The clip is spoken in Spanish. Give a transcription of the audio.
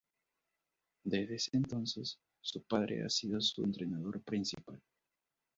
Desde ese entonces, su padre ha sido su entrenador principal.